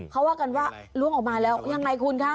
เขาว่ากันว่าล้วงออกมาแล้วยังไงคุณคะ